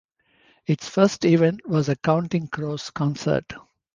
Its first event was a Counting Crows concert.